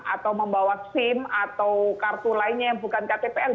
atau membawa sim atau kartu lainnya yang bukan ktpl